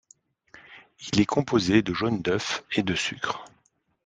Il est composé de jaune d’œuf et de sucre.